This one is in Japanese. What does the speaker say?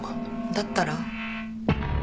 だったら？